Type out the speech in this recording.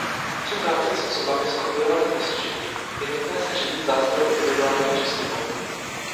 Při práci s osobami s kombinovaným postižením je nutné se řídit zásadou individuálního přístupu.